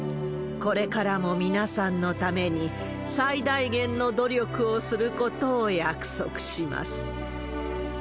これからも皆さんのために最大限の努力をすることを約束します。